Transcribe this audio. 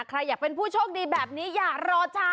ใครอยากเป็นผู้โชคดีแบบนี้อย่ารอช้า